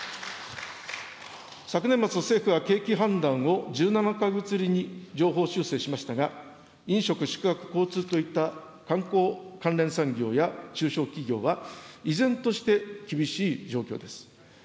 昨年末、政府は景気判断を１７か月ぶりに上方修正しましたが、飲食・宿泊・交通といった観光関連産業や中小企業は、依然として厳しい状況です。